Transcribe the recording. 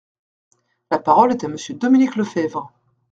La parole est à Monsieur Dominique Lefebvre.